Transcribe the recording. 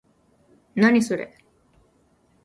何、それ？